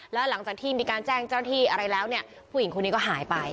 แล้วหลังจากที่มีการแจ้งเจ้าหน้าที่อะไรแล้วเนี่ยผู้หญิงคนนี้ก็หายไป